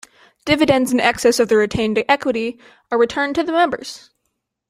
Dividends in excess of the retained equity are returned to the members.